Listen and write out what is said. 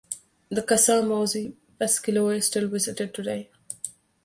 The Casa museo Pascoli is still visited today.